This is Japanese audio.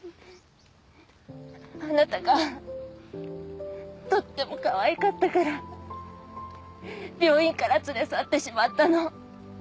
あなたがとってもかわいかったから病院から連れ去ってしまったの。